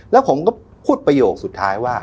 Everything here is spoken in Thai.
แล้วผมก็พูดประโยคสุดท้ายว่า